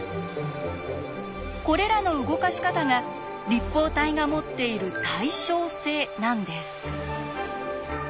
これらの動かし方が「立方体が持っている対称性」なんです。